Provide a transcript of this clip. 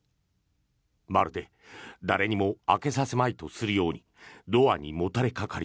まるで誰にも開けさせまいとするようにドアにもたれかかり